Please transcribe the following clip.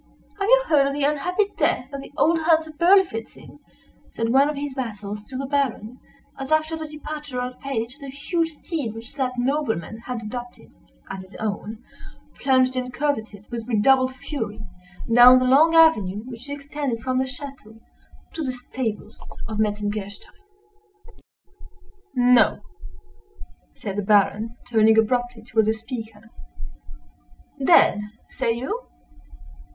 "Have you heard of the unhappy death of the old hunter Berlifitzing?" said one of his vassals to the Baron, as, after the departure of the page, the huge steed which that nobleman had adopted as his own, plunged and curvetted, with redoubled fury, down the long avenue which extended from the château to the stables of Metzengerstein. "No!" said the Baron, turning abruptly toward the speaker, "dead! say you?"